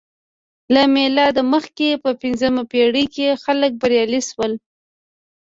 له میلاده مخکې په پنځمه پېړۍ کې خلک بریالي شول